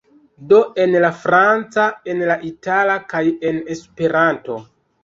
Do en la franca, en la itala, kaj en Esperanto.